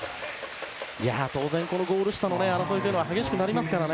当然、このゴール下の争いは激しくなりますからね。